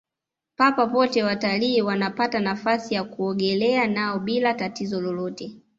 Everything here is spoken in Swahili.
papa pote watalii wanapata nafasi ya kuogelea nao bila tatizo lolote